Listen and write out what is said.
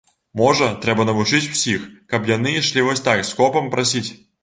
Можа, трэба навучыць усіх, каб яны ішлі вось так скопам прасіць.